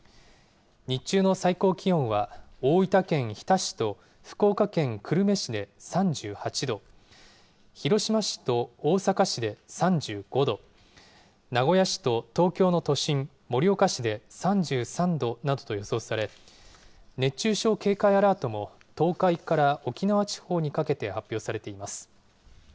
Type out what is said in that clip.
日中の最高気温は、大分県日田市と福岡県久留米市で３８度、広島市と大阪市で３５度、名古屋市と東京の都心、盛岡市で３３度などと予想され、熱中症警戒アラートも、東海から沖縄地方にかけて発表されています。